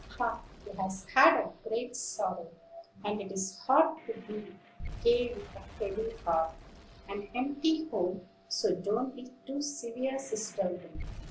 "Ah! he has had a great sorrow, and it is hard to be gay with a heavy heart, an empty home; so don't be too severe, Sister Wing."